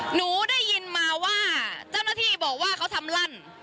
หนูได้ยินมาว่าเจ้าหน้าที่บอกว่าเขาทำลั่น